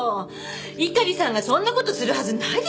猪狩さんがそんな事するはずないでしょ！